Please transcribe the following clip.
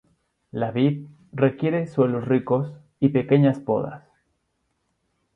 La vid requiere suelos ricos y pequeñas podas.